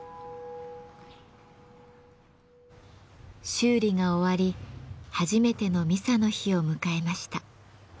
修理が終わり初めてのミサの日を迎えました。